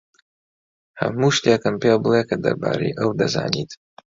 هەموو شتێکم پێ بڵێ کە دەربارەی ئەو دەزانیت.